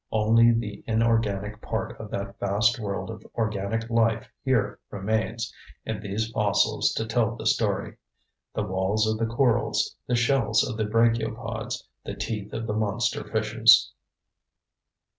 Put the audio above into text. Only the inorganic part of that vast world of organic life here remains in these fossils to tell the story the walls of the corals, the shells of the brachiopods, the teeth of the monster fishes.